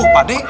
eh apaan ini